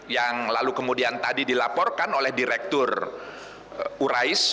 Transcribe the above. yang lalu kemudian tadi dilaporkan oleh direktur urais